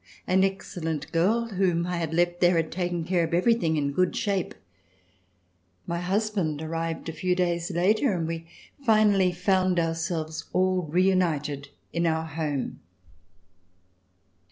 An excellent girl whom I had left there had taken care of everything in good shape. My husband arrived a C317] RECOLLECTIONS OF THE REVOLUTION few days later, and we finally found ourselves all reunited in our home.